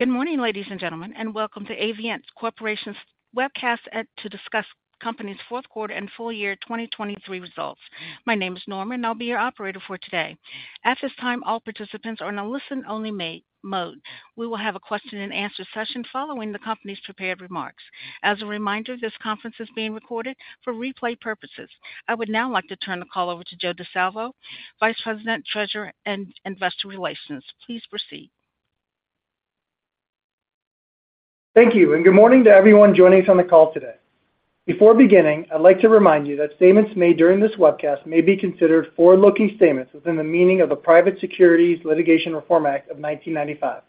Good morning, ladies and gentlemen, and welcome to Avient Corporation's webcast to discuss the company's fourth quarter and full year 2023 results. My name is Norma, and I'll be your operator for today. At this time, all participants are in a listen-only mode. We will have a question and answer session following the company's prepared remarks. As a reminder, this conference is being recorded for replay purposes. I would now like to turn the call over to Joe Di Salvo, Vice President, Treasurer, and Investor Relations. Please proceed. Thank you, and good morning to everyone joining us on the call today. Before beginning, I'd like to remind you that statements made during this webcast may be considered forward-looking statements within the meaning of the Private Securities Litigation Reform Act of 1995.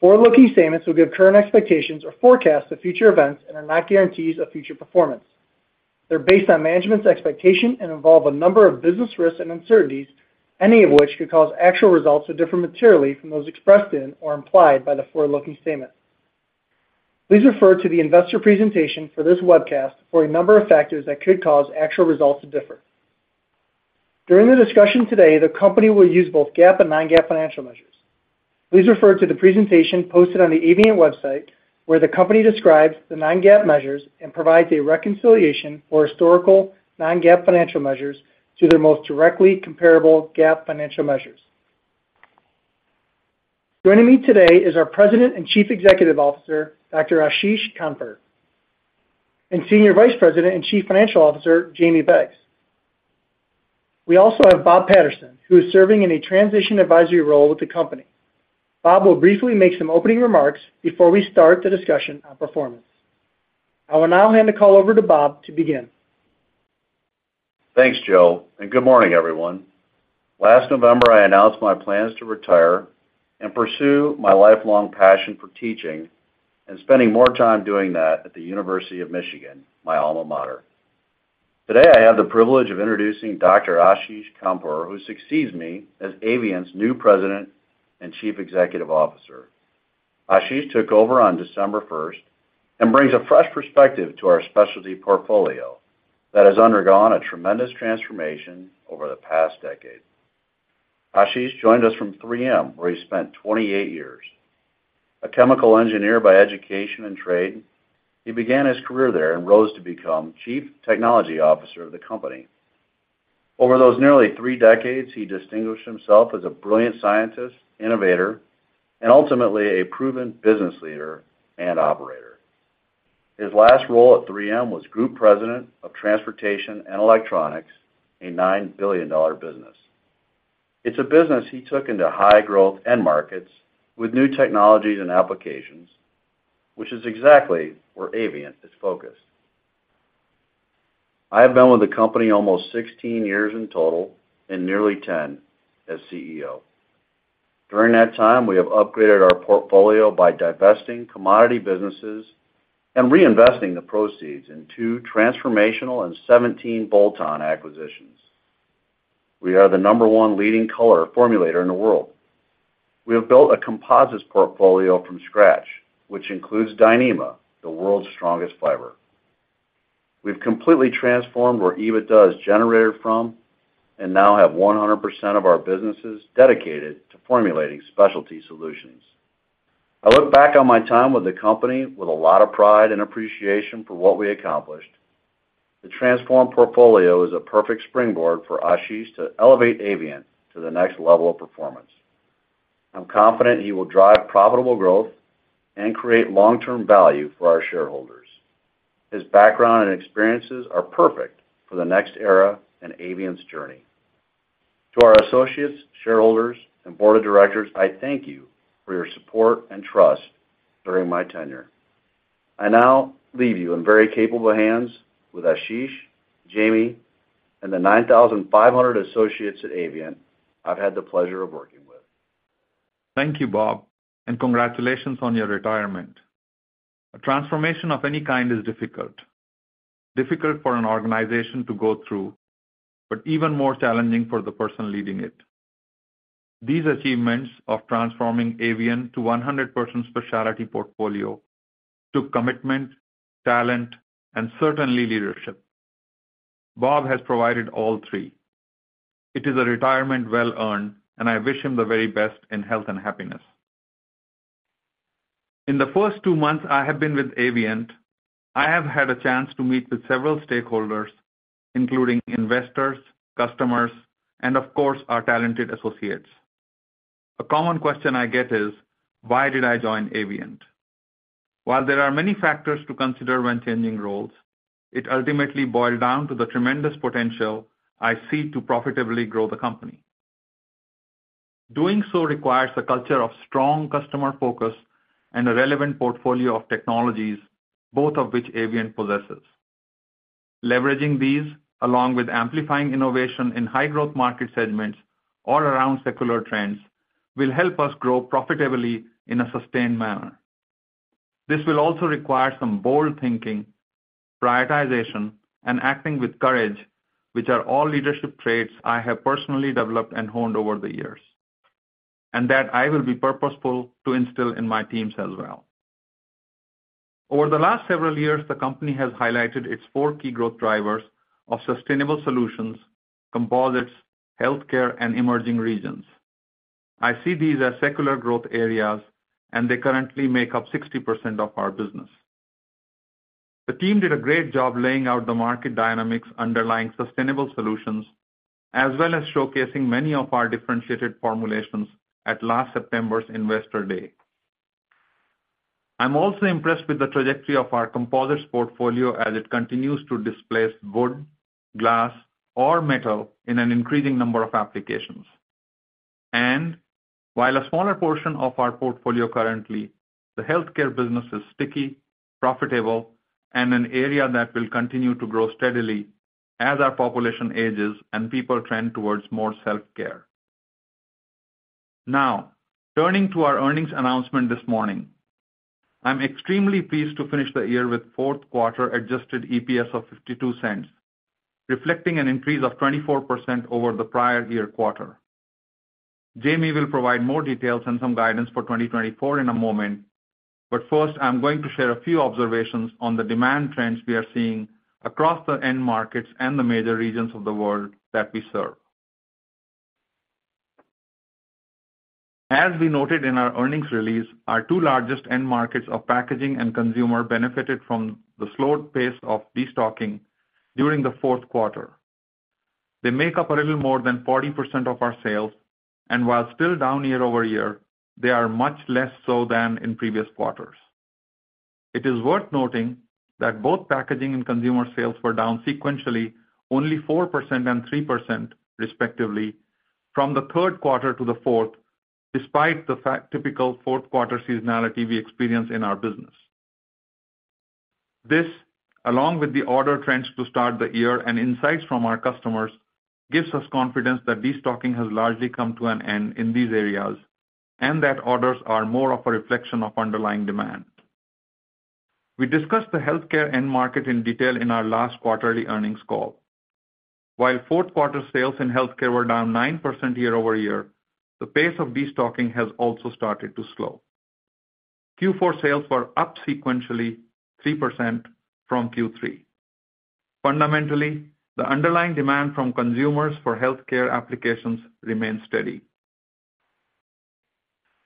Forward-looking statements will give current expectations or forecasts of future events and are not guarantees of future performance. They're based on management's expectation and involve a number of business risks and uncertainties, any of which could cause actual results to differ materially from those expressed in or implied by the forward-looking statement. Please refer to the investor presentation for this webcast for a number of factors that could cause actual results to differ. During the discussion today, the company will use both GAAP and non-GAAP financial measures. Please refer to the presentation posted on the Avient website, where the company describes the non-GAAP measures and provides a reconciliation for historical non-GAAP financial measures to their most directly comparable GAAP financial measures. Joining me today is our President and Chief Executive Officer, Dr. Ashish Khandpur, and Senior Vice President and Chief Financial Officer, Jamie Beggs. We also have Bob Patterson, who is serving in a transition advisory role with the company. Bob will briefly make some opening remarks before we start the discussion on performance. I will now hand the call over to Bob to begin. Thanks, Joe, and good morning, everyone. Last November, I announced my plans to retire and pursue my lifelong passion for teaching and spending more time doing that at the University of Michigan, my alma mater. Today, I have the privilege of introducing Dr. Ashish Khandpur, who succeeds me as Avient's new President and Chief Executive Officer. Ashish took over on December 1 and brings a fresh perspective to our specialty portfolio that has undergone a tremendous transformation over the past decade. Ashish joined us from 3M, where he spent 28 years. A chemical engineer by education and trade, he began his career there and rose to become Chief Technology Officer of the company. Over those nearly three decades, he distinguished himself as a brilliant scientist, innovator, and ultimately a proven business leader and operator. His last role at 3M was Group President of Transportation and Electronics, a $9 billion business. It's a business he took into high-growth end markets with new technologies and applications, which is exactly where Avient is focused. I have been with the company almost 16 years in total and nearly 10 as CEO. During that time, we have upgraded our portfolio by divesting commodity businesses and reinvesting the proceeds in two transformational and 17 bolt-on acquisitions. We are the number one leading color formulator in the world. We have built a composites portfolio from scratch, which includes Dyneema, the world's strongest fiber. We've completely transformed where EBITDA is generated from and now have 100% of our businesses dedicated to formulating specialty solutions. I look back on my time with the company with a lot of pride and appreciation for what we accomplished. The transformed portfolio is a perfect springboard for Ashish to elevate Avient to the next level of performance. I'm confident he will drive profitable growth and create long-term value for our shareholders. His background and experiences are perfect for the next era in Avient's journey. To our associates, shareholders, and board of directors, I thank you for your support and trust during my tenure. I now leave you in very capable hands with Ashish, Jamie, and the 9,500 associates at Avient I've had the pleasure of working with. Thank you, Bob, and congratulations on your retirement. A transformation of any kind is difficult. Difficult for an organization to go through, but even more challenging for the person leading it. These achievements of transforming Avient to 100% specialty portfolio took commitment, talent, and certainly leadership. Bob has provided all three. It is a retirement well earned, and I wish him the very best in health and happiness. In the first two months I have been with Avient, I have had a chance to meet with several stakeholders, including investors, customers, and of course, our talented associates. A common question I get is: Why did I join Avient? While there are many factors to consider when changing roles, it ultimately boiled down to the tremendous potential I see to profitably grow the company. Doing so requires a culture of strong customer focus and a relevant portfolio of technologies, both of which Avient possesses. Leveraging these, along with amplifying innovation in high-growth market segments all around secular trends, will help us grow profitably in a sustained manner. This will also require some bold thinking, prioritization, and acting with courage, which are all leadership traits I have personally developed and honed over the years, and that I will be purposeful to instill in my teams as well. Over the last several years, the company has highlighted its four key growth drivers of sustainable solutions, composites, healthcare, and emerging regions. I see these as secular growth areas, and they currently make up 60% of our business. The team did a great job laying out the market dynamics underlying sustainable solutions, as well as showcasing many of our differentiated formulations at last September's Investor Day. I'm also impressed with the trajectory of our composites portfolio as it continues to displace wood, glass, or metal in an increasing number of applications. While a smaller portion of our portfolio currently, the healthcare business is sticky, profitable, and an area that will continue to grow steadily as our population ages and people trend towards more self-care. Now, turning to our earnings announcement this morning. I'm extremely pleased to finish the year with fourth quarter adjusted EPS of $0.52, reflecting an increase of 24% over the prior year quarter. Jamie will provide more details and some guidance for 2024 in a moment, but first, I'm going to share a few observations on the demand trends we are seeing across the end markets and the major regions of the world that we serve. As we noted in our earnings release, our two largest end markets of packaging and consumer benefited from the slowed pace of destocking during the fourth quarter. They make up a little more than 40% of our sales, and while still down year-over-year, they are much less so than in previous quarters. It is worth noting that both packaging and consumer sales were down sequentially, only 4% and 3%, respectively, from the third quarter to the fourth, despite the fact that typical fourth quarter seasonality we experience in our business. This, along with the order trends to start the year and insights from our customers, gives us confidence that destocking has largely come to an end in these areas, and that orders are more of a reflection of underlying demand. We discussed the healthcare end market in detail in our last quarterly earnings call. While fourth-quarter sales in healthcare were down 9% year-over-year, the pace of destocking has also started to slow. Q4 sales were up sequentially 3% from Q3. Fundamentally, the underlying demand from consumers for healthcare applications remains steady.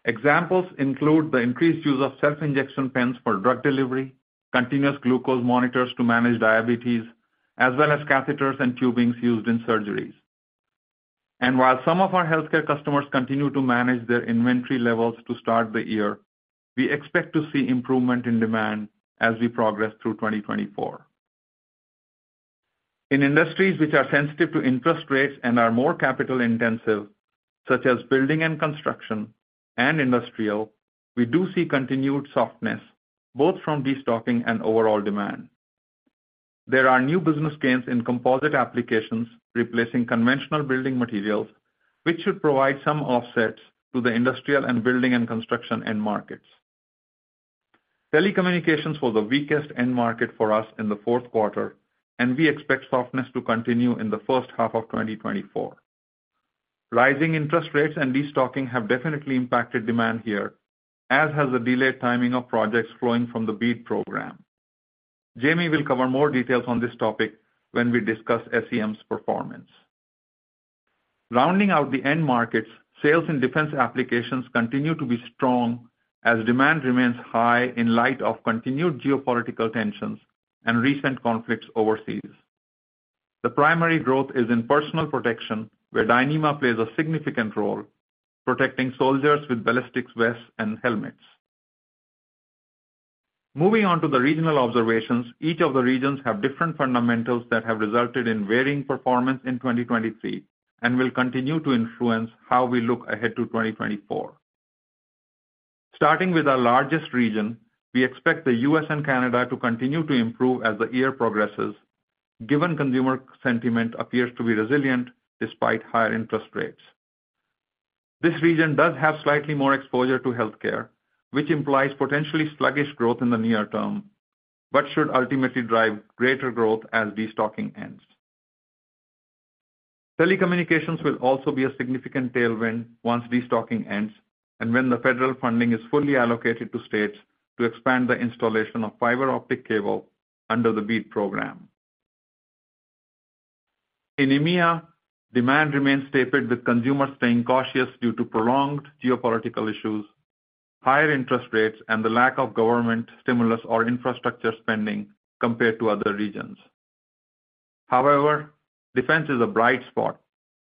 Examples include the increased use of self-injection pens for drug delivery, continuous glucose monitors to manage diabetes, as well as catheters and tubings used in surgeries. And while some of our healthcare customers continue to manage their inventory levels to start the year, we expect to see improvement in demand as we progress through 2024. In industries which are sensitive to interest rates and are more capital-intensive, such as building and construction, and industrial, we do see continued softness, both from destocking and overall demand. There are new business gains in composite applications, replacing conventional building materials, which should provide some offsets to the industrial and building and construction end markets. Telecommunications was the weakest end market for us in the fourth quarter, and we expect softness to continue in the first half of 2024. Rising interest rates and destocking have definitely impacted demand here, as has the delayed timing of projects flowing from the BEAD program. Jamie will cover more details on this topic when we discuss SEM's performance. Rounding out the end markets, sales in defense applications continue to be strong as demand remains high in light of continued geopolitical tensions and recent conflicts overseas. The primary growth is in personal protection, where Dyneema plays a significant role, protecting soldiers with ballistic vests, and helmets. Moving on to the regional observations, each of the regions have different fundamentals that have resulted in varying performance in 2023, and will continue to influence how we look ahead to 2024. Starting with our largest region, we expect the U.S. and Canada to continue to improve as the year progresses, given consumer sentiment appears to be resilient despite higher interest rates. This region does have slightly more exposure to healthcare, which implies potentially sluggish growth in the near term, but should ultimately drive greater growth as destocking ends. Telecommunications will also be a significant tailwind once destocking ends and when the federal funding is fully allocated to states to expand the installation of fiber optic cable under the BEAD Program. In EMEA, demand remains tapered, with consumers staying cautious due to prolonged geopolitical issues, higher interest rates, and the lack of government stimulus or infrastructure spending compared to other regions. However, defense is a bright spot,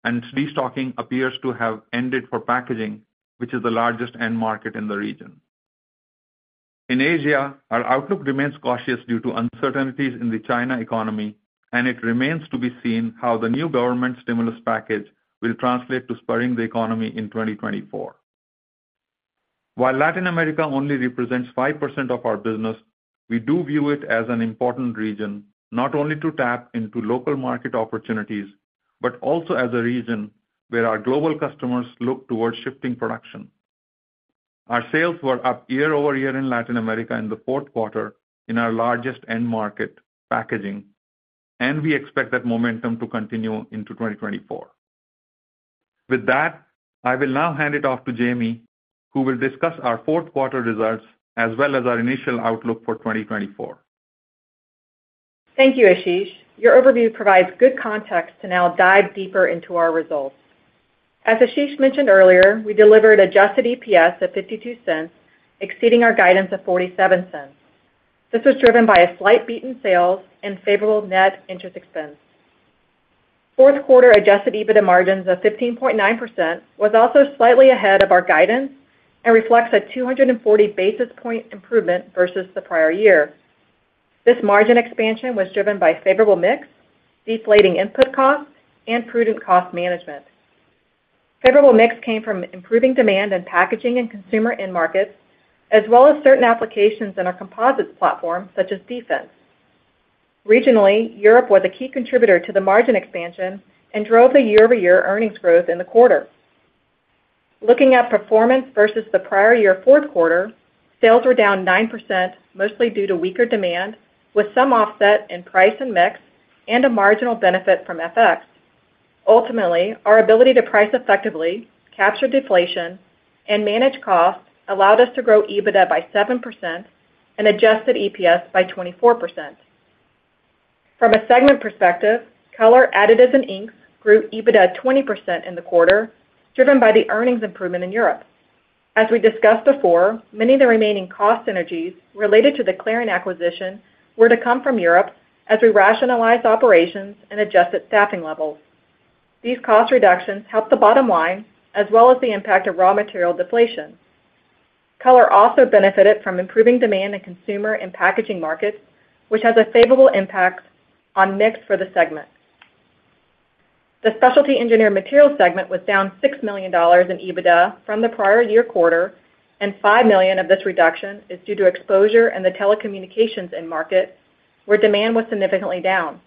and destocking appears to have ended for packaging, which is the largest end market in the region. In Asia, our outlook remains cautious due to uncertainties in the China economy, and it remains to be seen how the new government stimulus package will translate to spurring the economy in 2024. While Latin America only represents 5% of our business, we do view it as an important region, not only to tap into local market opportunities, but also as a region where our global customers look towards shifting production. Our sales were up year-over-year in Latin America in the fourth quarter, in our largest end market, packaging, and we expect that momentum to continue into 2024. With that, I will now hand it off to Jamie, who will discuss our fourth quarter results, as well as our initial outlook for 2024. Thank you, Ashish. Your overview provides good context to now dive deeper into our results. As Ashish mentioned earlier, we delivered adjusted EPS of $0.52, exceeding our guidance of $0.47. This was driven by a slight beat in sales and favorable net interest expense. Fourth quarter Adjusted EBITDA margins of 15.9% was also slightly ahead of our guidance and reflects a 240 basis point improvement versus the prior year. This margin expansion was driven by favorable mix, deflating input costs, and prudent cost management. Favorable mix came from improving demand in packaging and consumer end markets, as well as certain applications in our composites platform, such as defense. Regionally, Europe was a key contributor to the margin expansion and drove the year-over-year earnings growth in the quarter. Looking at performance versus the prior year fourth quarter, sales were down 9%, mostly due to weaker demand, with some offset in price and mix and a marginal benefit from FX. Ultimately, our ability to price effectively, capture deflation, and manage costs allowed us to grow EBITDA by 7% and adjusted EPS by 24%. From a segment perspective, Color Additives and Inks grew EBITDA 20% in the quarter, driven by the earnings improvement in Europe. As we discussed before, many of the remaining cost synergies related to the Clariant acquisition were to come from Europe as we rationalize operations and adjusted staffing levels. These cost reductions helped the bottom line, as well as the impact of raw material deflation. Color also benefited from improving demand in consumer and packaging markets, which has a favorable impact on mix for the segment. The Specialty Engineered Materials segment was down $6 million in EBITDA from the prior year quarter, and $5 million of this reduction is due to exposure in the telecommunications end market, where demand was significantly down.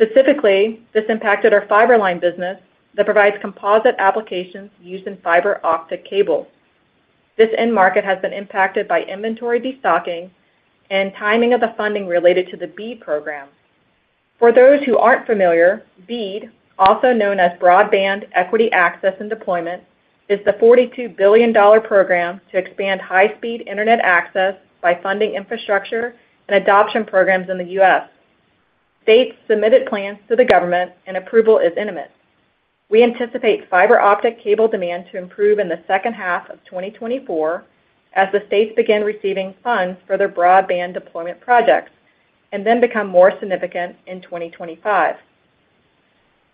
Specifically, this impacted our Fiber-Line business that provides composite applications used in fiber optic cable. This end market has been impacted by inventory destocking and timing of the funding related to the BEAD program. For those who aren't familiar, BEAD, also known as Broadband Equity Access and Deployment, is the $42 billion program to expand high-speed internet access by funding infrastructure and adoption programs in the U.S. States submitted plans to the government, and approval is imminent. We anticipate fiber optic cable demand to improve in the second half of 2024 as the states begin receiving funds for their broadband deployment projects, and then become more significant in 2025.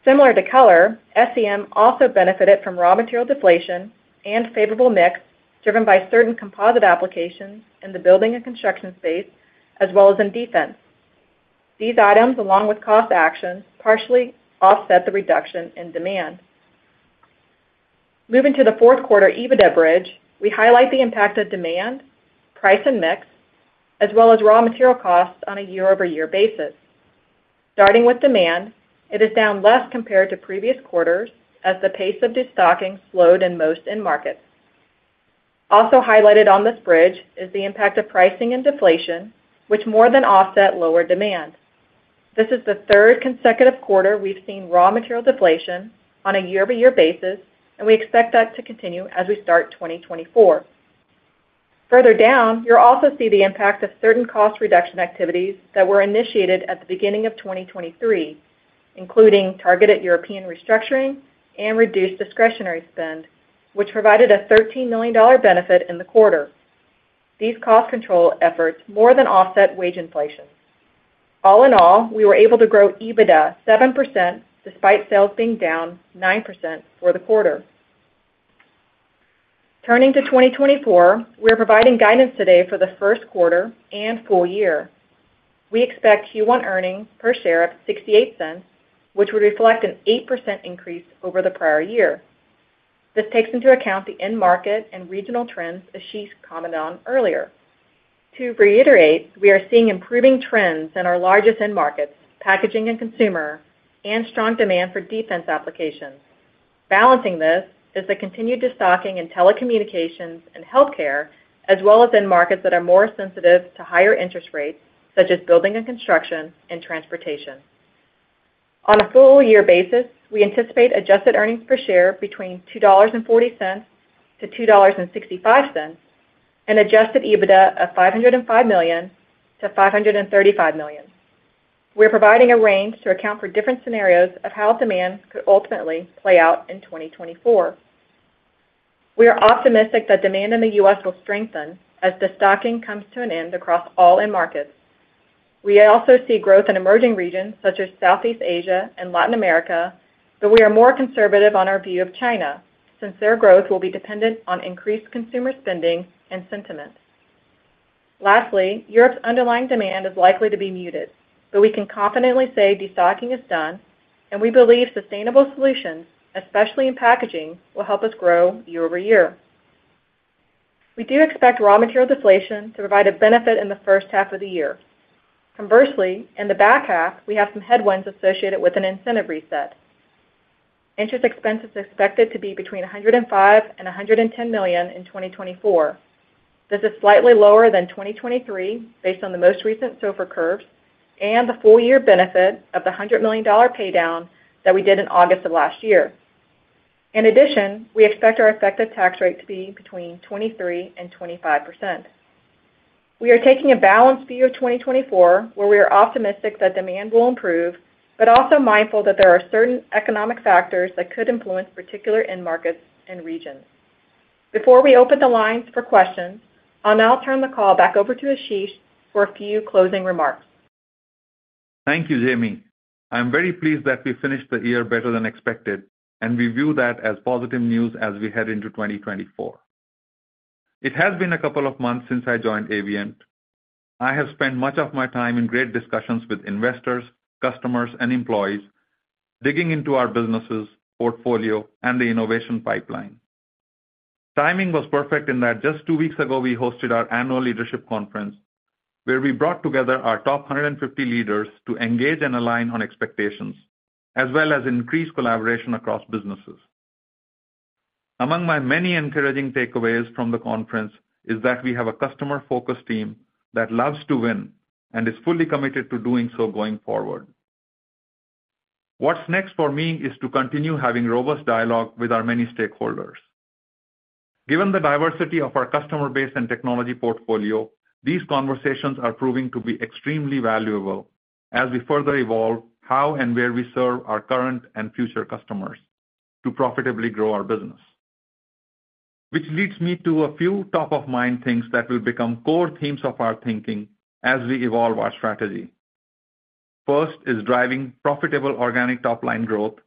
Similar to Color, SEM also benefited from raw material deflation and favorable mix, driven by certain composite applications in the building and construction space, as well as in defense. These items, along with cost actions, partially offset the reduction in demand. Moving to the fourth quarter EBITDA bridge, we highlight the impact of demand, price, and mix, as well as raw material costs on a year-over-year basis. Starting with demand, it is down less compared to previous quarters as the pace of destocking slowed in most end markets. Also highlighted on this bridge is the impact of pricing and deflation, which more than offset lower demand. This is the third consecutive quarter we've seen raw material deflation on a year-over-year basis, and we expect that to continue as we start 2024. Further down, you'll also see the impact of certain cost reduction activities that were initiated at the beginning of 2023, including targeted European restructuring and reduced discretionary spend, which provided a $13 million benefit in the quarter. These cost control efforts more than offset wage inflation. All in all, we were able to grow EBITDA 7%, despite sales being down 9% for the quarter. Turning to 2024, we are providing guidance today for the first quarter and full year. We expect Q1 earnings per share of $0.68, which would reflect an 8% increase over the prior year. This takes into account the end market and regional trends Ashish commented on earlier. To reiterate, we are seeing improving trends in our largest end markets, packaging and consumer, and strong demand for defense applications. Balancing this is the continued destocking in telecommunications and healthcare, as well as in markets that are more sensitive to higher interest rates, such as building and construction and transportation. On a full-year basis, we anticipate adjusted earnings per share between $2.40 and $2.65, and Adjusted EBITDA of $505 million-$535 million. We're providing a range to account for different scenarios of how demands could ultimately play out in 2024. We are optimistic that demand in the U.S. will strengthen as destocking comes to an end across all end markets. We also see growth in emerging regions such as Southeast Asia and Latin America, but we are more conservative on our view of China, since their growth will be dependent on increased consumer spending and sentiment. Lastly, Europe's underlying demand is likely to be muted, but we can confidently say destocking is done, and we believe sustainable solutions, especially in packaging, will help us grow year-over-year. We do expect raw material deflation to provide a benefit in the first half of the year. Conversely, in the back half, we have some headwinds associated with an incentive reset. Interest expense is expected to be between $105 million and $110 million in 2024. This is slightly lower than 2023, based on the most recent SOFR curves and the full year benefit of the $100 million pay down that we did in August of last year. In addition, we expect our effective tax rate to be between 23% and 25%. We are taking a balanced view of 2024, where we are optimistic that demand will improve, but also mindful that there are certain economic factors that could influence particular end markets and regions. Before we open the lines for questions, I'll now turn the call back over to Ashish for a few closing remarks. Thank you, Jamie. I'm very pleased that we finished the year better than expected, and we view that as positive news as we head into 2024. It has been a couple of months since I joined Avient. I have spent much of my time in great discussions with investors, customers, and employees, digging into our businesses, portfolio, and the innovation pipeline. Timing was perfect in that just two weeks ago, we hosted our annual leadership conference, where we brought together our top 150 leaders to engage and align on expectations, as well as increase collaboration across businesses. Among my many encouraging takeaways from the conference is that we have a customer-focused team that loves to win and is fully committed to doing so going forward. What's next for me is to continue having robust dialogue with our many stakeholders. Given the diversity of our customer base and technology portfolio, these conversations are proving to be extremely valuable as we further evolve how and where we serve our current and future customers to profitably grow our business. Which leads me to a few top-of-mind things that will become core themes of our thinking as we evolve our strategy. First is driving profitable organic top-line growth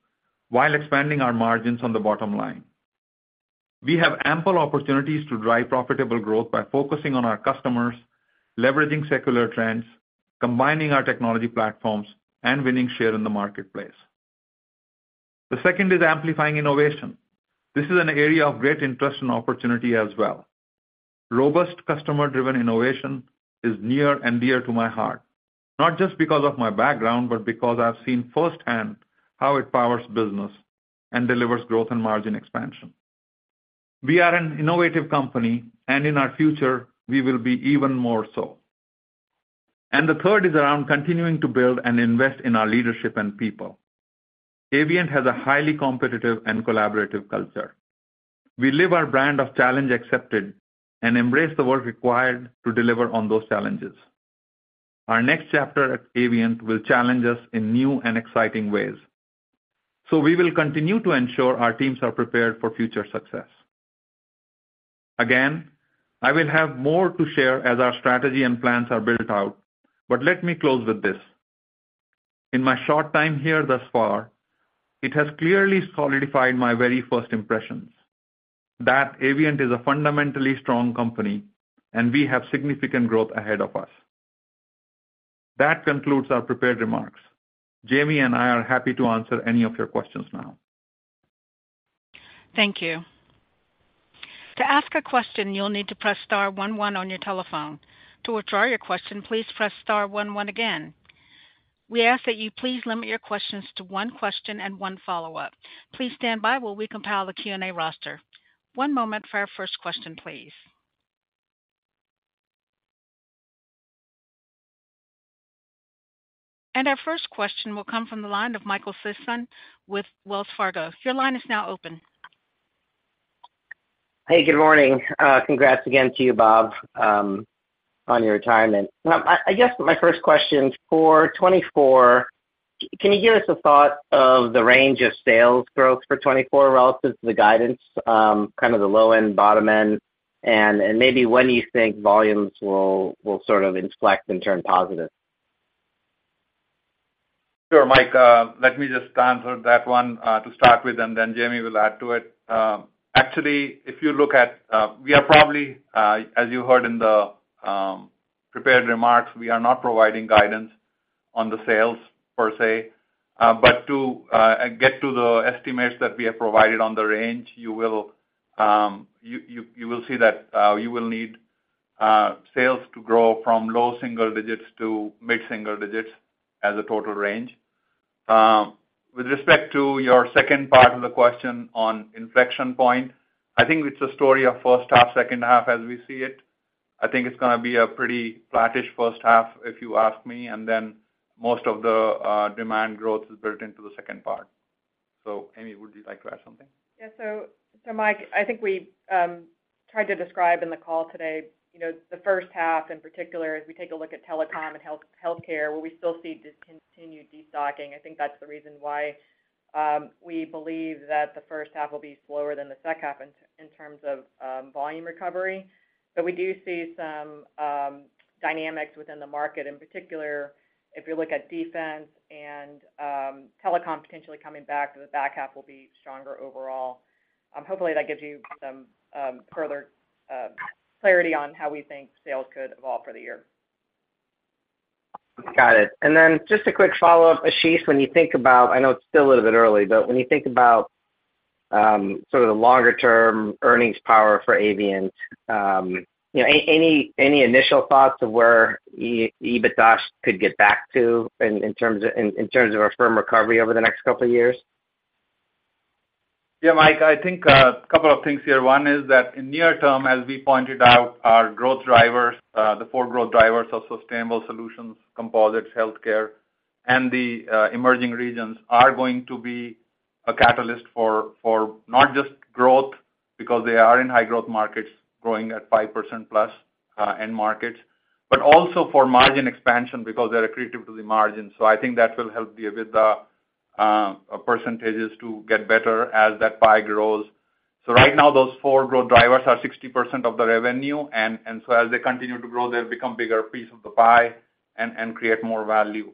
while expanding our margins on the bottom line. We have ample opportunities to drive profitable growth by focusing on our customers, leveraging secular trends, combining our technology platforms, and winning share in the marketplace. The second is amplifying innovation. This is an area of great interest and opportunity as well. Robust customer-driven innovation is near and dear to my heart, not just because of my background, but because I've seen firsthand how it powers business and delivers growth and margin expansion. We are an innovative company, and in our future, we will be even more so. And the third is around continuing to build and invest in our leadership and people. Avient has a highly competitive and collaborative culture. We live our brand of Challenge Accepted and embrace the work required to deliver on those challenges. Our next chapter at Avient will challenge us in new and exciting ways, so we will continue to ensure our teams are prepared for future success. Again, I will have more to share as our strategy and plans are built out, but let me close with this. In my short time here thus far, it has clearly solidified my very first impressions, that Avient is a fundamentally strong company, and we have significant growth ahead of us. That concludes our prepared remarks. Jamie and I are happy to answer any of your questions now. Thank you. To ask a question, you'll need to press star one one on your telephone. To withdraw your question, please press star one one again. We ask that you please limit your questions to one question and one follow-up. Please stand by while we compile the Q&A roster. One moment for our first question, please. Our first question will come from the line of Michael Sison with Wells Fargo. Your line is now open. Hey, good morning. Congrats again to you, Bob. I guess my first question, for 2024, can you give us a thought of the range of sales growth for 2024 relative to the guidance, kind of the low end, bottom end, and maybe when you think volumes will sort of inflect and turn positive? Sure, Mike, let me just answer that one to start with, and then Jamie will add to it. Actually, if you look at, we are probably as you heard in the prepared remarks, we are not providing guidance on the sales per se, but to get to the estimates that we have provided on the range, you will see that you will need sales to grow from low single digits to mid single digits as a total range. With respect to your second part of the question on inflection point, I think it's a story of first half, second half as we see it. I think it's gonna be a pretty flattish first half, if you ask me, and then most of the demand growth is built into the second part. Jamie, would you like to add something? Yeah. So, Mike, I think we tried to describe in the call today, you know, the first half in particular, as we take a look at telecom and healthcare, where we still see this continued destocking. I think that's the reason why we believe that the first half will be slower than the second half in terms of volume recovery. But we do see some dynamics within the market. In particular, if you look at defense and telecom potentially coming back, the back half will be stronger overall. Hopefully, that gives you some further clarity on how we think sales could evolve for the year. Got it. And then just a quick follow-up, Ashish, when you think about... I know it's still a little bit early, but when you think about sort of the longer-term earnings power for Avient, you know, any initial thoughts of where EBITDA could get back to in terms of a firm recovery over the next couple of years? Yeah, Mike, I think a couple of things here. One is that in near term, as we pointed out, our growth drivers, the four growth drivers are sustainable solutions, composites, healthcare, and the emerging regions are going to be a catalyst for not just growth, because they are in high growth markets, growing at 5%+, end markets, but also for margin expansion because they are accretive to the margin. So I think that will help the EBITDA percentages to get better as that pie grows. So right now, those four growth drivers are 60% of the revenue, and, and so as they continue to grow, they'll become bigger piece of the pie and, and create more value.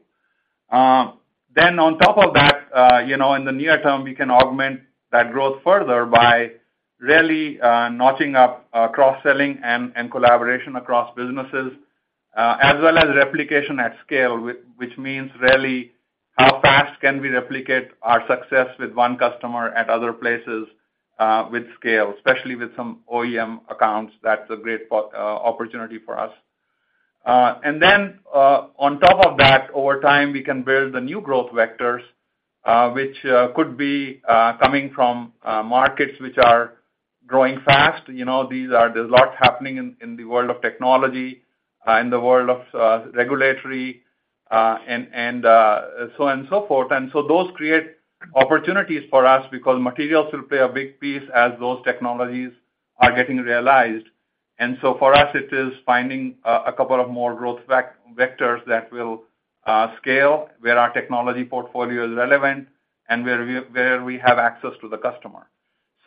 Then on top of that, you know, in the near term, we can augment that growth further by really notching up cross-selling and collaboration across businesses, as well as replication at scale, which means really how fast can we replicate our success with one customer at other places, with scale, especially with some OEM accounts. That's a great opportunity for us. And then, on top of that, over time, we can build the new growth vectors, which could be coming from markets which are growing fast. You know, there's a lot happening in the world of technology, in the world of regulatory, and so on and so forth. Those create opportunities for us because materials will play a big piece as those technologies are getting realized. For us, it is finding a couple of more growth vectors that will scale, where our technology portfolio is relevant and where we have access to the customer.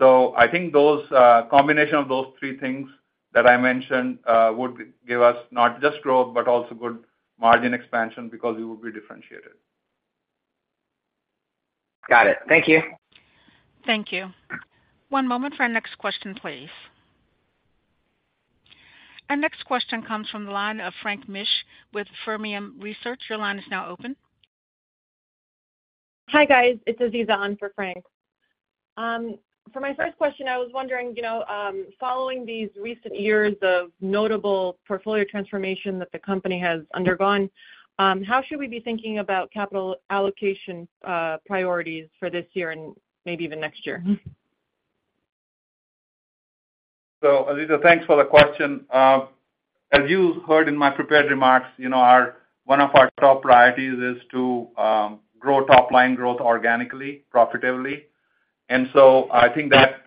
I think those combination of those three things that I mentioned would give us not just growth, but also good margin expansion because we will be differentiated. Got it. Thank you. Thank you. One moment for our next question, please. Our next question comes from the line of Frank Mitsch with Fermium Research. Your line is now open. Hi, guys. It's Aziza on for Frank. For my first question, I was wondering, you know, following these recent years of notable portfolio transformation that the company has undergone, how should we be thinking about capital allocation priorities for this year and maybe even next year? So, Aziza, thanks for the question. As you heard in my prepared remarks, you know, one of our top priorities is to grow top line growth organically, profitably. And so I think that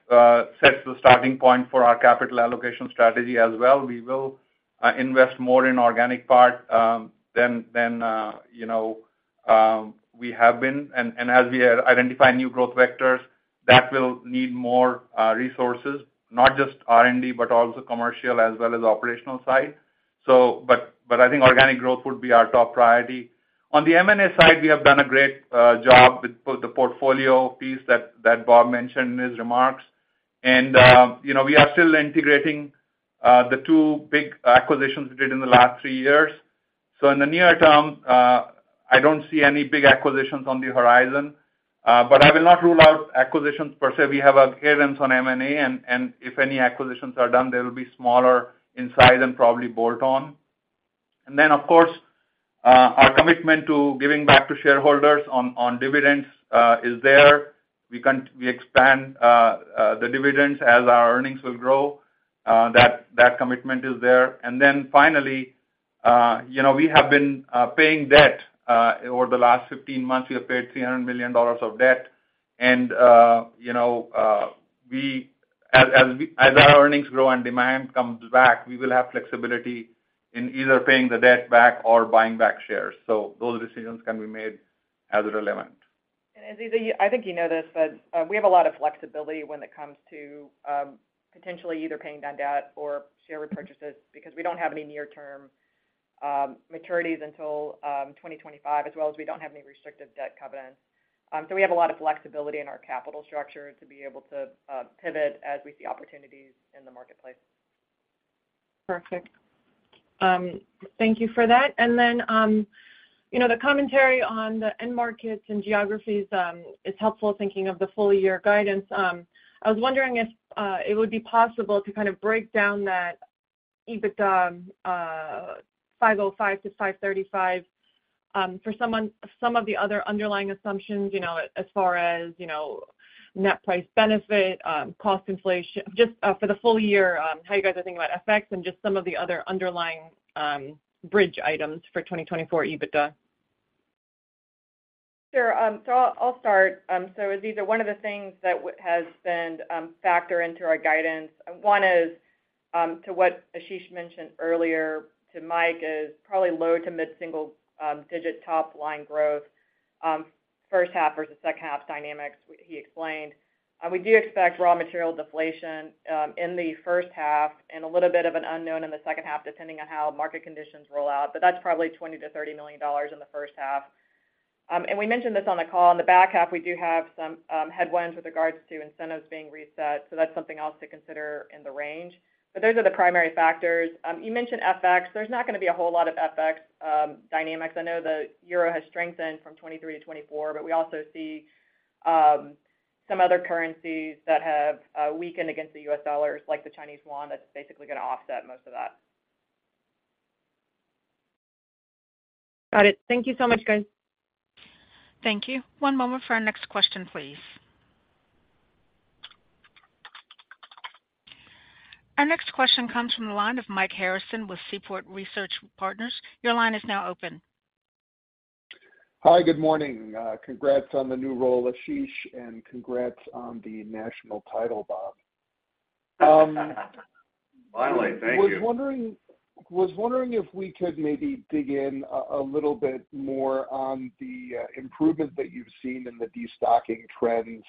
sets the starting point for our capital allocation strategy as well. We will invest more in organic part than you know we have been. And as we identify new growth vectors, that will need more resources, not just R&D, but also commercial as well as operational side. But I think organic growth would be our top priority. On the M&A side, we have done a great job with both the portfolio piece that Bob mentioned in his remarks. And you know, we are still integrating the two big acquisitions we did in the last three years. So in the near-term, I don't see any big acquisitions on the horizon, but I will not rule out acquisitions per se. We have our guidance on M&A, and if any acquisitions are done, they will be smaller in size and probably bolt on. And then, of course, our commitment to giving back to shareholders on dividends is there. We expand the dividends as our earnings will grow. That commitment is there. And then finally, you know, we have been paying debt over the last 15 months. We have paid $300 million of debt, and you know, as our earnings grow and demand comes back, we will have flexibility in either paying the debt back or buying back shares. Those decisions can be made as it relevant. And Aziza, you, I think you know this, but, we have a lot of flexibility when it comes to, potentially either paying down debt or share repurchases, because we don't have any near-term, maturities until, 2025, as well as we don't have any restrictive debt covenants. So we have a lot of flexibility in our capital structure to be able to, pivot as we see opportunities in the marketplace. Perfect. Thank you for that. Then, you know, the commentary on the end markets and geographies is helpful, thinking of the full year guidance. I was wondering if it would be possible to kind of break down that EBITDA $505 million-$535 million for some of the other underlying assumptions, you know, as far as, you know, net price benefit, cost inflation, just for the full year, how you guys are thinking about FX and just some of the other underlying bridge items for 2024 EBITDA. Sure. So I'll start. So Aziza, one of the things that has been a factor into our guidance, one is, to what Ashish mentioned earlier to Mike, is probably low to mid-single digit top line growth, first half versus second half dynamics, he explained. We do expect raw material deflation in the first half and a little bit of an unknown in the second half, depending on how market conditions roll out, but that's probably $20-$30 million in the first half. And we mentioned this on the call, in the back half, we do have some headwinds with regards to incentives being reset, so that's something else to consider in the range. But those are the primary factors. You mentioned FX. There's not gonna be a whole lot of FX dynamics. I know the euro has strengthened from 2023 to 2024, but we also see some other currencies that have weakened against the US dollars, like the Chinese yuan. That's basically gonna offset most of that. Got it. Thank you so much, guys. Thank you. One moment for our next question, please. Our next question comes from the line of Mike Harrison with Seaport Research Partners. Your line is now open. Hi, good morning. Congrats on the new role, Ashish, and congrats on the national title, Bob. My pleasure. Thank you. Was wondering if we could maybe dig in a little bit more on the improvement that you've seen in the destocking trends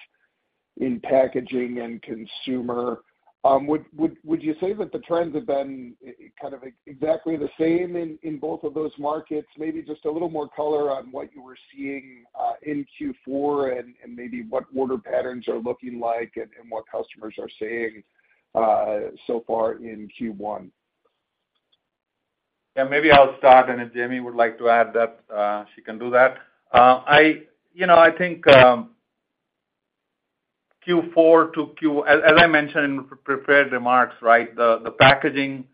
in packaging and consumer. Would you say that the trends have been kind of exactly the same in both of those markets? Maybe just a little more color on what you were seeing in Q4, and maybe what order patterns are looking like and what customers are saying so far in Q1. Yeah, maybe I'll start, and if Jamie would like to add that, she can do that. I, you know, I think, Q4 As, as I mentioned in prepared remarks, right, the, the packaging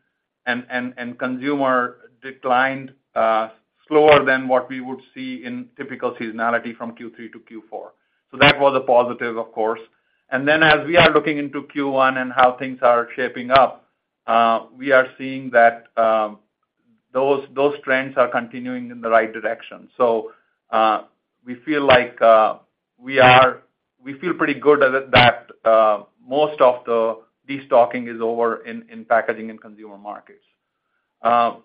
and, and, and consumer declined slower than what we would see in typical seasonality from Q3-Q4. So that was a positive, of course. And then as we are looking into Q1 and how things are shaping up, we are seeing that, those, those trends are continuing in the right direction. So, we feel like, We feel pretty good at it that, most of the destocking is over in, in packaging and consumer markets.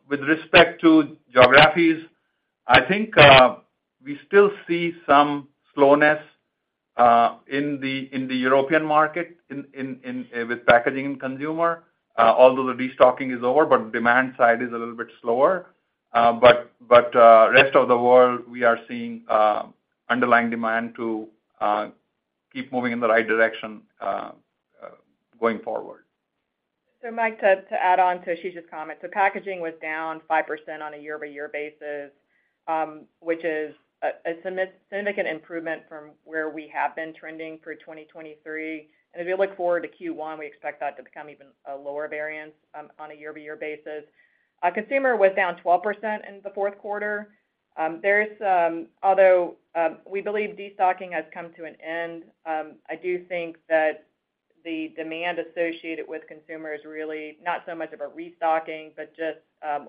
With respect to geographies, I think, we still see some slowness, in the, in the European market, in, in, in with packaging and consumer. Although the destocking is over, but demand side is a little bit slower. But rest of the world, we are seeing underlying demand to keep moving in the right direction going forward. So Mike, to add on to Ashish's comment, so packaging was down 5% on a year-over-year basis, which is a significant improvement from where we have been trending for 2023. If you look forward to Q1, we expect that to become even a lower variance on a year-over-year basis. Consumer was down 12% in the fourth quarter. Although we believe destocking has come to an end, I do think that the demand associated with consumer is really not so much of a restocking, but just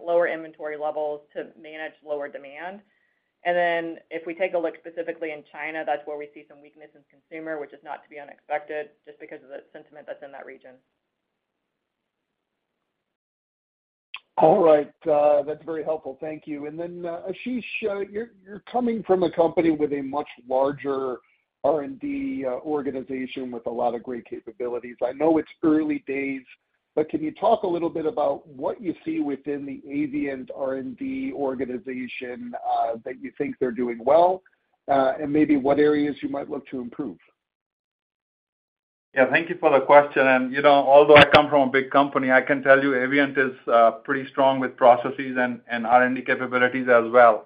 lower inventory levels to manage lower demand. Then if we take a look specifically in China, that's where we see some weakness in consumer, which is not to be unexpected, just because of the sentiment that's in that region. All right. That's very helpful. Thank you. And then, Ashish, you're coming from a company with a much larger R&D organization with a lot of great capabilities. I know it's early days, but can you talk a little bit about what you see within the Avient R&D organization that you think they're doing well, and maybe what areas you might look to improve? Yeah, thank you for the question. And you know, although I come from a big company, I can tell you Avient is pretty strong with processes and R&D capabilities as well.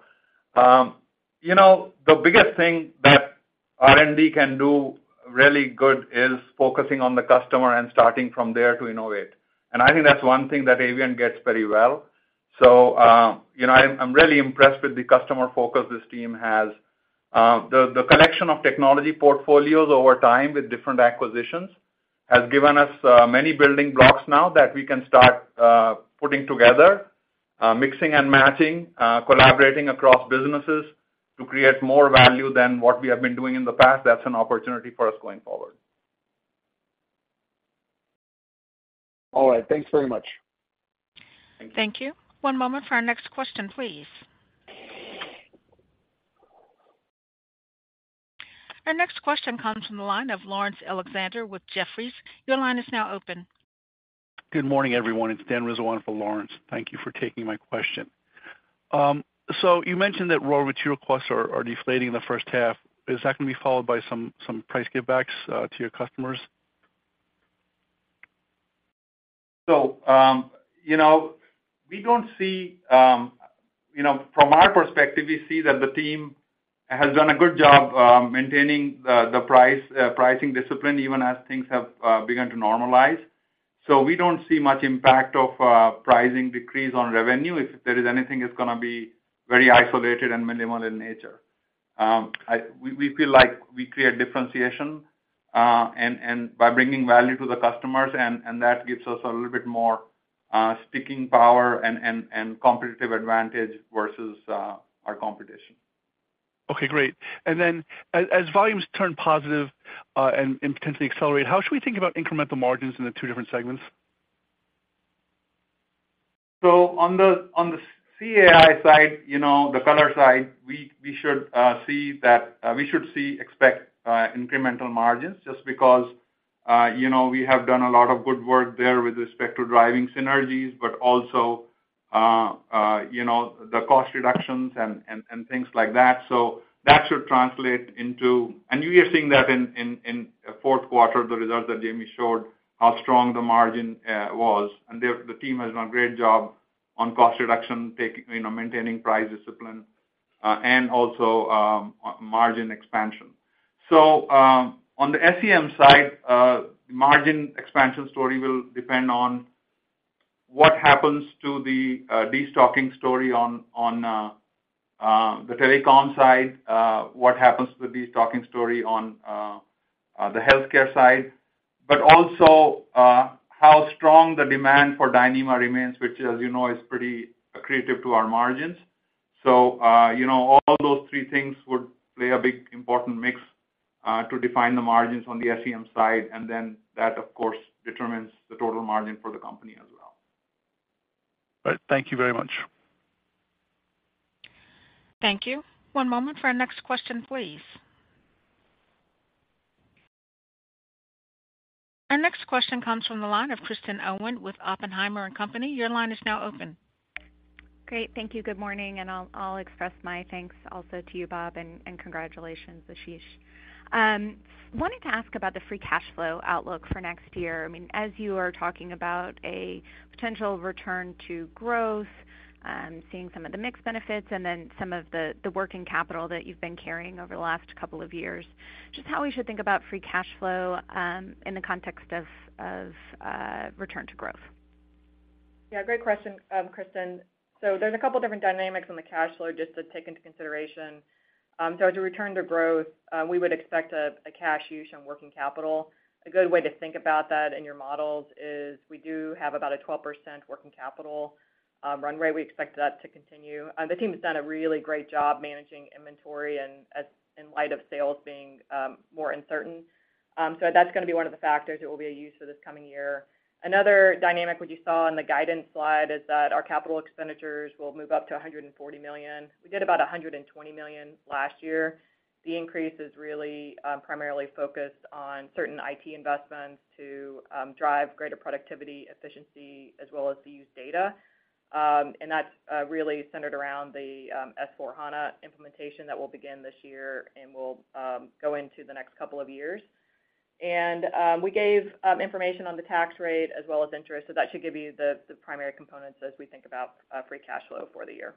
You know, the biggest thing that R&D can do really good is focusing on the customer and starting from there to innovate. And I think that's one thing that Avient gets very well. So, you know, I'm really impressed with the customer focus this team has. The collection of technology portfolios over time with different acquisitions has given us many building blocks now that we can start putting together, mixing and matching, collaborating across businesses to create more value than what we have been doing in the past. That's an opportunity for us going forward. All right. Thanks very much. Thank you. One moment for our next question, please. Our next question comes from the line of Laurence Alexander with Jefferies. Your line is now open. Good morning, everyone. It's Dan Rizzo for Laurence. Thank you for taking my question. So you mentioned that raw material costs are deflating in the first half. Is that going to be followed by some price givebacks to your customers? So, you know, we don't see. You know, from our perspective, we see that the team has done a good job, maintaining the, the price, pricing discipline, even as things have, begun to normalize. So we don't see much impact of, pricing decrease on revenue. If there is anything, it's gonna be very isolated and minimal in nature. I, we, we feel like we create differentiation, and, and by bringing value to the customers, and, and that gives us a little bit more, sticking power and, and, and competitive advantage versus, our competition. Okay, great. And then as volumes turn positive, and potentially accelerate, how should we think about incremental margins in the two different segments? So on the CAI side, you know, the color side, we should expect incremental margins just because, you know, we have done a lot of good work there with respect to driving synergies, but also, you know, the cost reductions and things like that. So that should translate into... And you are seeing that in fourth quarter, the results that Jamie showed, how strong the margin was. And there, the team has done a great job on cost reduction, you know, maintaining price discipline, and also, margin expansion. So, on the SEM side, margin expansion story will depend on what happens to the destocking story on the telecom side? What happens to the destocking story on the healthcare side? But also, how strong the demand for Dyneema remains, which, as you know, is pretty accretive to our margins. So, you know, all those three things would play a big important mix, to define the margins on the SEM side, and then that, of course, determines the total margin for the company as well. Right. Thank you very much. Thank you. One moment for our next question, please. Our next question comes from the line of Kristen Owen with Oppenheimer and Company. Your line is now open. Great. Thank you. Good morning, and I'll express my thanks also to you, Bob, and congratulations, Ashish. Wanted to ask about the free cash flow outlook for next year. I mean, as you are talking about a potential return to growth, seeing some of the mix benefits and then some of the working capital that you've been carrying over the last couple of years, just how we should think about free cash flow, in the context of return to growth. Yeah, great question, Kristen. So there's a couple different dynamics on the cash flow just to take into consideration. So as we return to growth, we would expect a cash use on working capital. A good way to think about that in your models is we do have about a 12% working capital runway. We expect that to continue. The team has done a really great job managing inventory and as in light of sales being more uncertain. So that's gonna be one of the factors that will be a use for this coming year. Another dynamic, what you saw on the guidance slide, is that our capital expenditures will move up to $140 million. We did about $120 million last year. The increase is really primarily focused on certain IT investments to drive greater productivity, efficiency, as well as to use data. And that's really centered around the S/4HANA implementation that will begin this year and will go into the next couple of years. And we gave information on the tax rate as well as interest, so that should give you the primary components as we think about free cash flow for the year.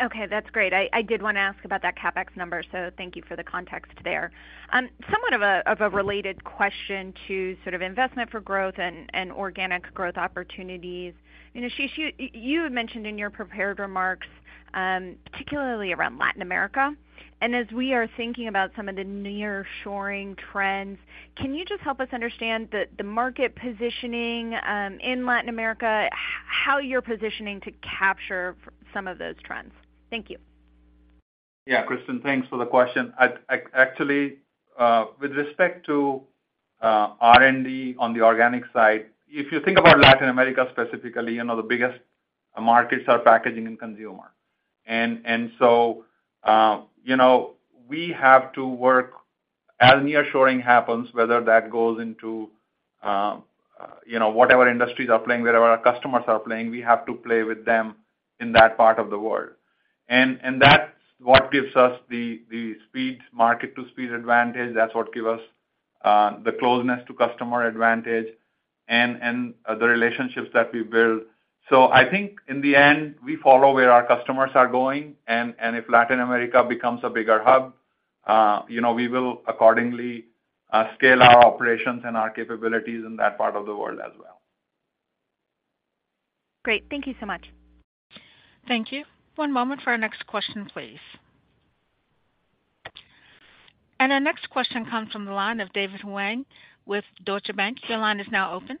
Okay, that's great. I did wanna ask about that CapEx number, so thank you for the context there. Somewhat of a related question to sort of investment for growth and organic growth opportunities. You know, Ashish, you had mentioned in your prepared remarks, particularly around Latin America, and as we are thinking about some of the nearshoring trends, can you just help us understand the market positioning in Latin America, how you're positioning to capture some of those trends? Thank you. Yeah, Kristen, thanks for the question. Actually, with respect to R&D on the organic side, if you think about Latin America, specifically, you know, the biggest markets are packaging and consumer. And so, you know, we have to work as nearshoring happens, whether that goes into, you know, whatever industries are playing, wherever our customers are playing, we have to play with them in that part of the world. And that's what gives us the speed-to-market advantage. That's what give us the closeness-to-customer advantage and the relationships that we build. So I think in the end, we follow where our customers are going, and if Latin America becomes a bigger hub, you know, we will accordingly scale our operations and our capabilities in that part of the world as well. Great. Thank you so much. Thank you. One moment for our next question, please. Our next question comes from the line of David Huang with Deutsche Bank. Your line is now open.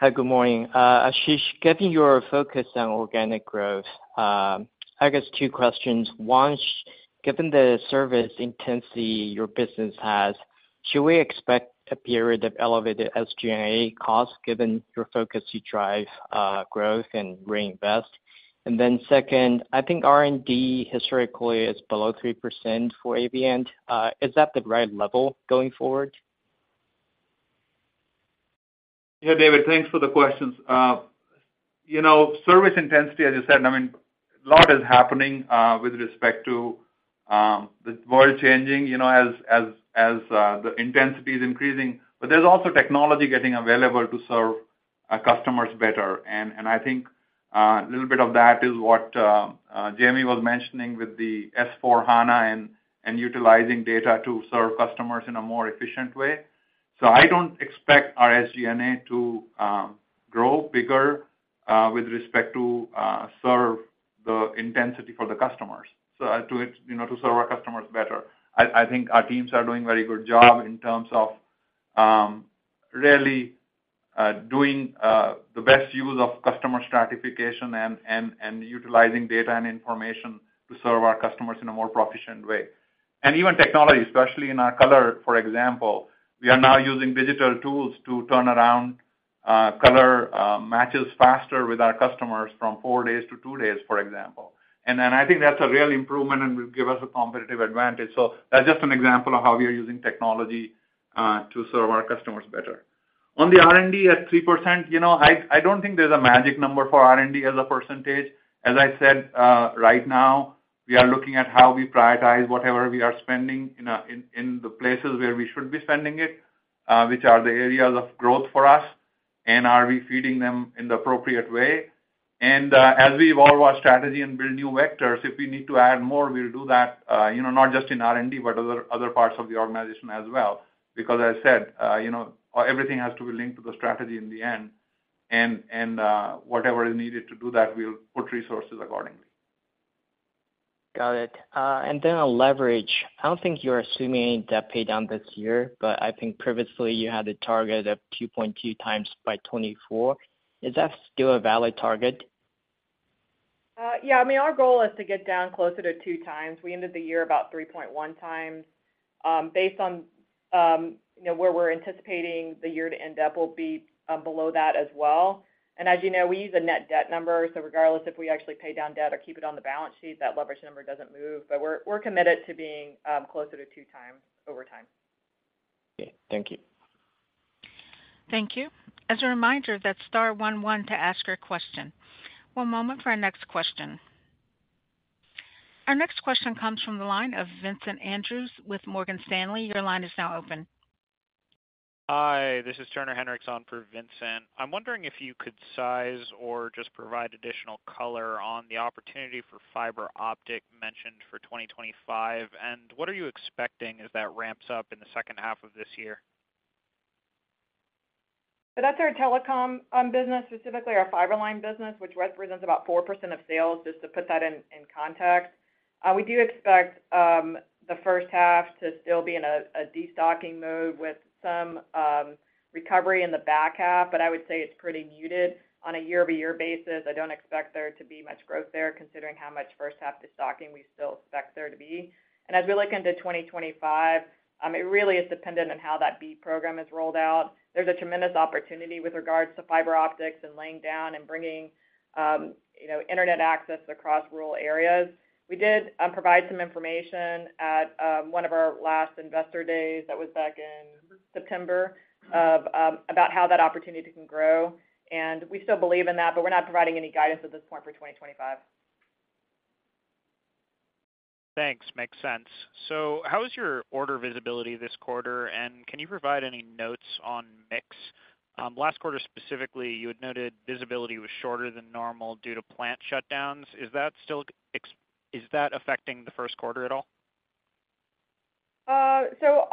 Hi, good morning. Ashish, given your focus on organic growth, I guess two questions. One, given the service intensity your business has, should we expect a period of elevated SG&A costs, given your focus to drive growth and reinvest? And then second, I think R&D historically is below 3% for Avient. Is that the right level going forward? Yeah, David, thanks for the questions. You know, service intensity, as you said, I mean, a lot is happening with respect to the world changing, you know, as the intensity is increasing, but there's also technology getting available to serve our customers better. And I think a little bit of that is what Jamie was mentioning with the S/4HANA and utilizing data to serve customers in a more efficient way. So I don't expect our SG&A to grow bigger with respect to serve the intensity for the customers, so to you know, to serve our customers better. I, I think our teams are doing a very good job in terms of, really, doing the best use of customer stratification and utilizing data and information to serve our customers in a more proficient way. And even technology, especially in our color, for example, we are now using digital tools to turn around color matches faster with our customers from four days to two days, for example. And then I think that's a real improvement and will give us a competitive advantage. So that's just an example of how we are using technology to serve our customers better. On the R&D at 3%, you know, I, I don't think there's a magic number for R&D as a percentage. As I said, right now, we are looking at how we prioritize whatever we are spending in the places where we should be spending it, which are the areas of growth for us, and are we feeding them in the appropriate way? And, as we evolve our strategy and build new vectors, if we need to add more, we'll do that, you know, not just in R&D, but other parts of the organization as well. Because as I said, you know, everything has to be linked to the strategy in the end, and whatever is needed to do that, we'll put resources accordingly. Got it. And then on leverage, I don't think you're assuming any debt paydown this year, but I think previously you had a target of 2.2x by 2024. Is that still a valid target? Yeah. I mean, our goal is to get down closer to 2x. We ended the year about 3.1x. Based on, you know, where we're anticipating the year to end up, we'll be below that as well. And as you know, we use a net debt number, so regardless if we actually pay down debt or keep it on the balance sheet, that leverage number doesn't move. But we're committed to being closer to 2x over time. Okay, thank you. Thank you. As a reminder, that's star one one to ask your question. One moment for our next question. Our next question comes from the line of Vincent Andrews with Morgan Stanley. Your line is now open. Hi, this is Turner Hinrichs on for Vincent. I'm wondering if you could size or just provide additional color on the opportunity for fiber optic mentioned for 2025, and what are you expecting as that ramps up in the second half of this year? So that's our telecom business, specifically our fiber line business, which represents about 4% of sales, just to put that in context. We do expect the first half to still be in a destocking mode with some recovery in the back half, but I would say it's pretty muted. On a year-over-year basis, I don't expect there to be much growth there, considering how much first half destocking we still expect there to be. And as we look into 2025, it really is dependent on how that BEAD Program is rolled out. There's a tremendous opportunity with regards to fiber optics and laying down and bringing you know internet access across rural areas. We did provide some information at one of our last investor days, that was back in September, about how that opportunity can grow, and we still believe in that, but we're not providing any guidance at this point for 2025. Thanks. Makes sense. So how is your order visibility this quarter, and can you provide any notes on mix? Last quarter specifically, you had noted visibility was shorter than normal due to plant shutdowns. Is that still affecting the first quarter at all? So,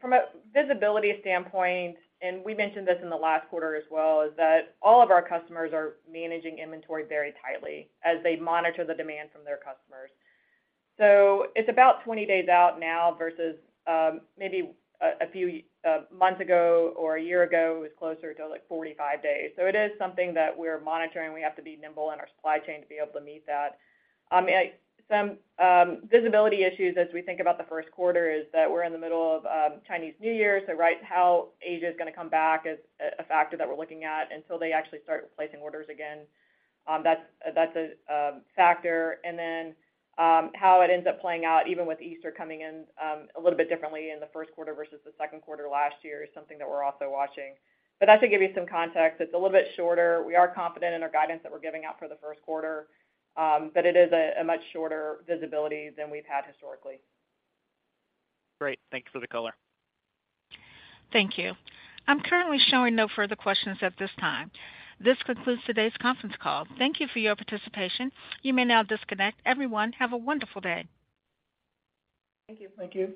from a visibility standpoint, and we mentioned this in the last quarter as well, is that all of our customers are managing inventory very tightly as they monitor the demand from their customers. So it's about 20 days out now versus, maybe a few months ago or a year ago, it was closer to, like, 45 days. So it is something that we're monitoring. We have to be nimble in our supply chain to be able to meet that. And some visibility issues as we think about the first quarter is that we're in the middle of Chinese New Year, so right, how Asia is gonna come back is a factor that we're looking at until they actually start placing orders again. That's a factor. Then, how it ends up playing out, even with Easter coming in a little bit differently in the first quarter versus the second quarter last year, is something that we're also watching. That should give you some context. It's a little bit shorter. We are confident in our guidance that we're giving out for the first quarter, but it is a much shorter visibility than we've had historically. Great. Thank you for the color. Thank you. I'm currently showing no further questions at this time. This concludes today's conference call. Thank you for your participation. You may now disconnect. Everyone, have a wonderful day. Thank you. Thank you.